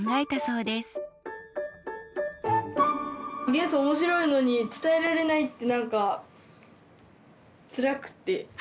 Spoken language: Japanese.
元素面白いのに伝えられないってなんかつらくてハハハ。